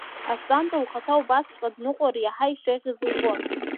Асҭанда лхаҭа убасҵәҟьа дныҟәар иаҳа ишеиӷьыз лбон.